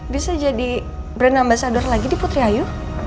bisa jadi belina basadur lagi di putri ayu